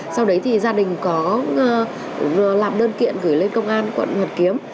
sau đấy thì gia đình có làm đơn kiện gửi lên công an quận hoàn kiếm